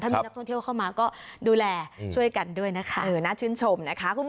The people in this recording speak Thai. มีนักท่องเที่ยวเข้ามาก็ดูแลช่วยกันด้วยนะคะน่าชื่นชมนะคะ